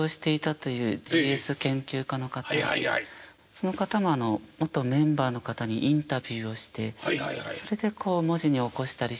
その方が元メンバーの方にインタビューをしてそれで文字に起こしたりしていたので。